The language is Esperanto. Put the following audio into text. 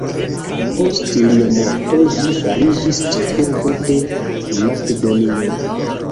Post lia morto ĝi fariĝis ĉefurbo de Makedonio.